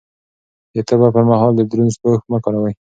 د تبه پر مهال دروند پوښ مه کاروئ.